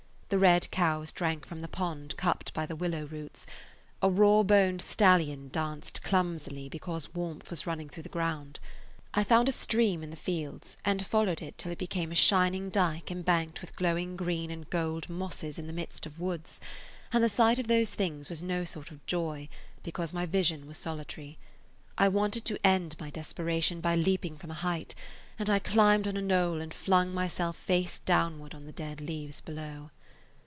The red cows drank from the pond cupped by the willow roots; a raw boned stallion danced clumsily because warmth was running through the ground. I found a stream in the fields and followed it till it became a shining dike embanked with glowing green and gold mosses in the midst of woods; and the sight of those things was no sort of joy, because my vision was solitary. I wanted to end my desperation by leaping from a height, and I climbed on a knoll and flung myself face downward on the dead leaves below.